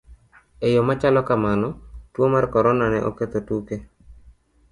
E yo ma chalo kamano, tuo mar corona ne oketho tuke.